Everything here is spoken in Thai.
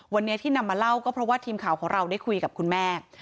วันนี้ที่นำมาเล่าก็เพราะว่าทีมข่าวของเราได้คุยกับคุณแม่